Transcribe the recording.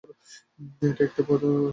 এটা একটা পর্যায়।